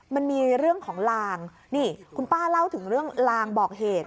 มันมีเรื่องของลางนี่คุณป้าเล่าถึงเรื่องลางบอกเหตุ